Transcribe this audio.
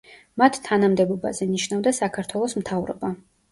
მათ თანამდებობაზე ნიშნავდა საქართველოს მთავრობა.